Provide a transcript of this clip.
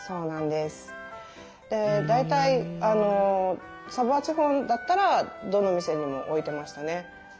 で大体サヴォワ地方だったらどの店にも置いてましたね。